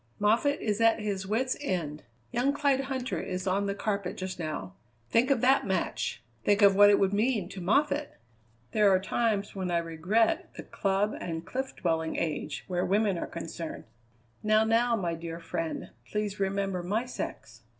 Moffatt is at his wits' end. Young Clyde Huntter is on the carpet just now. Think of that match! think of what it would mean to Moffatt! There are times when I regret the club and cliff dwelling age where women are concerned." "Now, now, my dear friend, please remember my sex."